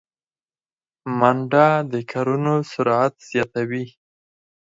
منډه د کارونو سرعت زیاتوي